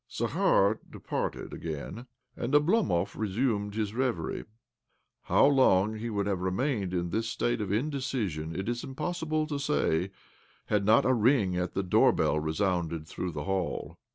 Zakhar departed again, and Oblomov re sumed his reverie. How long he would have remained in this state of indecision it is impossible to say had not a ring at the doorbell resounded thtough the hall.